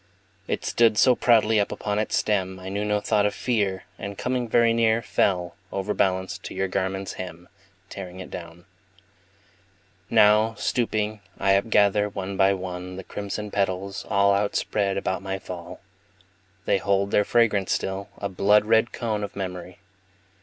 It stood so proudly up upon its stem, I knew no thought of fear, And coming very near Fell, overbalanced, to your garment's hem, Tearing it down. Now, stooping, I upgather, one by one, The crimson petals, all Outspread about my fall. They hold their fragrance still, a blood red cone Of memory.